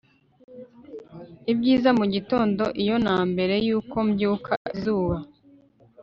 Ibyiza mugitondo iyo na mbere yuko mbyuka izuba